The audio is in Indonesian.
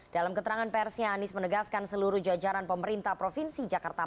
dalam keterangan persnya anies menegaskan seluruh jajaran pemerintah provinsi jakarta